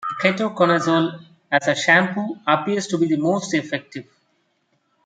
Ketoconazole as a shampoo appears to be the most effective.